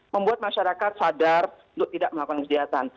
membuat masyarakat sadar untuk tidak melakukan kejahatan